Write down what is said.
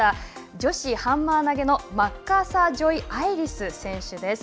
女子ハンマー投げのマッカーサージョイアイリス選手です。